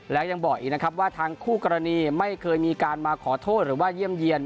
แล้วยังบอกอีกนะครับว่าทางคู่กรณีไม่เคยมีการมาขอโทษหรือว่าเยี่ยมเยี่ยน